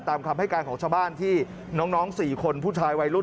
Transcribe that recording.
ตามคำให้การของชาวบ้านที่น้อง๔คนผู้ชายวัยรุ่น